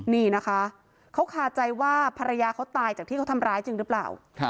นี่นะคะเขาคาใจว่าภรรยาเขาตายจากที่เขาทำร้ายจริงหรือเปล่า